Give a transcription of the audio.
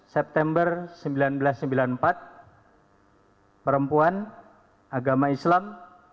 september seribu sembilan ratus sembilan puluh empat perempuan agama islam